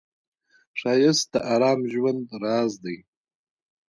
ښایست د آرام ژوند راز دی